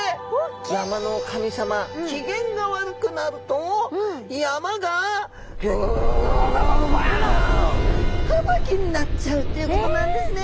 山の神様機嫌が悪くなると山が吹雪になっちゃうということなんですね。